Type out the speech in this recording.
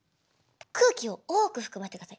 空気を多く含ませてください。